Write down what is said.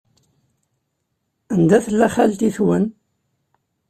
Anda tella xalti-twen?